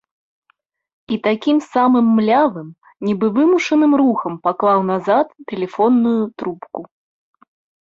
І такім самым млявым, нібы вымушаным рухам паклаў назад тэлефонную трубку.